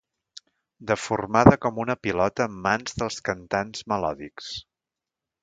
Deformada com una pilota en mans dels cantants melòdics.